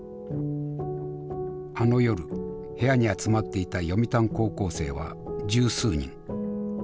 あの夜部屋に集まっていた読谷高校生は十数人。